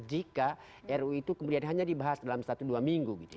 jika ru itu kemudian hanya dibahas dalam satu dua minggu gitu